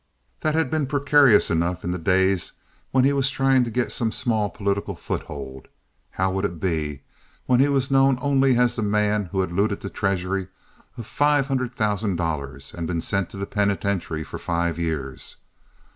That had been precarious enough in the days when he was trying to get some small political foothold. How would it be when he was known only as the man who had looted the treasury of five hundred thousand dollars and been sent to the penitentiary for five years?